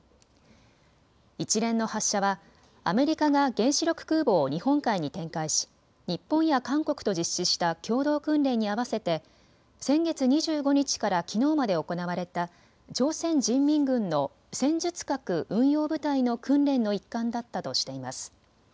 一連の発射はアメリカが原子力空母を日本海に展開し日本や韓国と実施した共同訓練に合わせて先月２５日からきのうまで行われた朝鮮人民軍の戦術核運用部隊の訓練の一環だったとしています。